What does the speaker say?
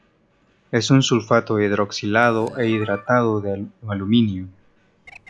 Es un sulfato hidroxilado e hidratado de aluminio.